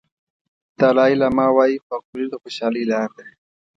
دالای لاما وایي خواخوږي د خوشالۍ لار ده.